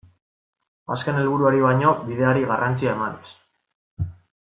Azken helburuari baino bideari garrantzia emanez.